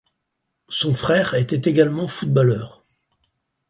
Son frère était également footballeur.